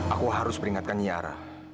aku harus beringatkan yara